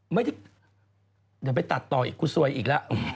เดี๋ยวไปตัดต่ออีกกูสวยอีกล่ะ